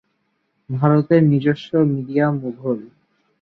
ভারতের নিজস্ব মিডিয়া মুঘল।